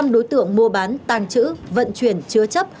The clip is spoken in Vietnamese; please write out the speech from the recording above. hai sáu trăm linh đối tượng mua bán tàng trữ vận chuyển chứa chấp